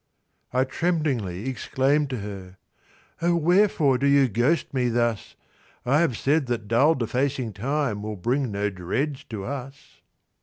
I tremblingly exclaimed to her, "O wherefore do you ghost me thus! I have said that dull defacing Time Will bring no dreads to us."